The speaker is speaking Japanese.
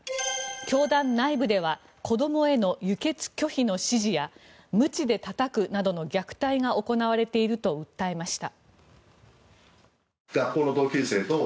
教団内部では子どもへの輸血拒否の指示やむちでたたくなどの虐待が行われていると訴えました。